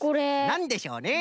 なんでしょうね？